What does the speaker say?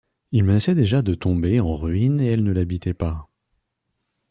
Il menaçait déjà de tomber en ruine et elle ne l'habitait pas.